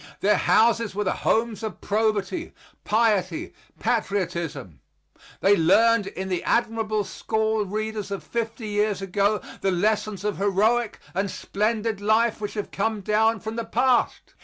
Their houses were the homes of probity, piety, patriotism. They learned in the admirable school readers of fifty years ago the lessons of heroic and splendid life which have come down from the past.